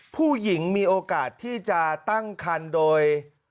ผู้หญิงมีโอกาสที่จะตั้งคันโดย